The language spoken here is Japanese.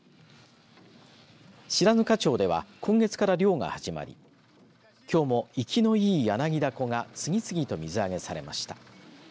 白糠町では、今月から漁が始まりきょうもいきのいいヤナギダコが次々と水揚げされました。